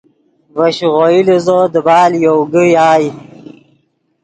ڤے شیغوئی لیزو دیبال یوگے یائے